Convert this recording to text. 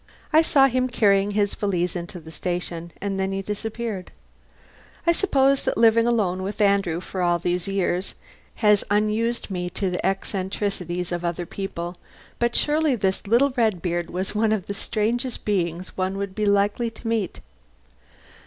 I saw him carrying his valise into the station, and then he disappeared. I suppose that living alone with Andrew for all these years has unused me to the eccentricities of other people, but surely this little Redbeard was one of the strangest beings one would be likely to meet.